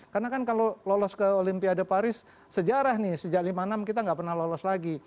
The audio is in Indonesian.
karena kan kalau lolos ke olympia de paris sejarah nih sejak lima enam kita nggak pernah lolos lagi